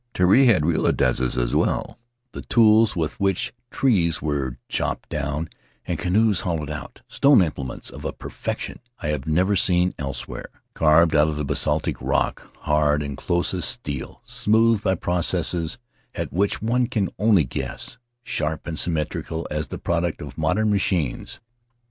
Tari had real adzes as well — the tools with which trees were chopped down and canoes hollowed out — stone implements of a perfection I have never seen elsewhere, carved out of basaltic rock, hard and close as steel, smoothed by processes at which one can only guess, sharp and symmetrical as the product of modern machines.